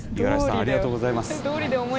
ありがとうございます。